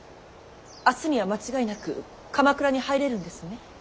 明日には間違いなく鎌倉に入れるんですね。